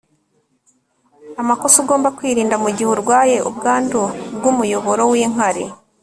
amakosa ugomba kwirinda mu gihe urwaye ubwandu bw’umuyoboro w’inkari